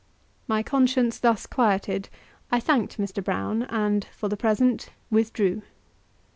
My conscience thus quieted, I thanked Mr. Brown, and, for the present, withdrew.